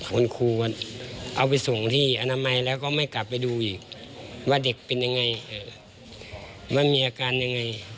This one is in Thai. คุณครูก็เอาไปส่งที่อนามัยแล้วก็ไม่กลับไปดูอีกว่าเด็กเป็นยังไงว่ามีอาการยังไง